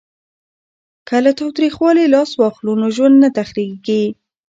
که له تاوتریخوالي لاس واخلو نو ژوند نه تریخیږي.